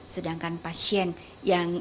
sedangkan pasien yang